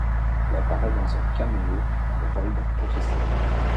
Il y apparaît dans un caméo dans le rôle d'un professeur.